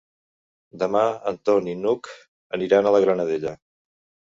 Demà en Ton i n'Hug aniran a la Granadella.